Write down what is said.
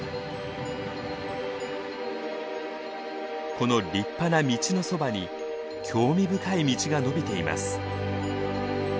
この立派な道のそばに興味深い道が延びています。